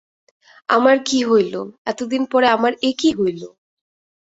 আমার কী হইল, এতদিন পরে আমার এ কী হইল।